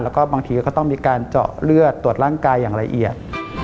แล้วก็บางทีก็ต้องมีการเจาะเลือดตรวจร่างกายอย่างละเอียด